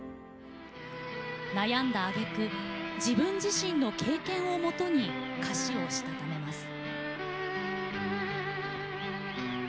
悩んだあげく自分自身の経験をもとに歌詞をしたためます。